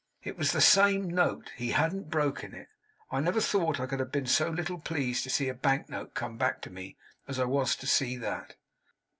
It was the same note; he hadn't broken it. I never thought I could have been so little pleased to see a bank note come back to me as I was to see that.